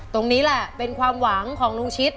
ตรงนี้แหละเป็นความหวังของลุงชิด